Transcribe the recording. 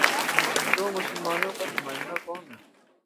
تو مسلمانوں کا نمائندہ کون ہے؟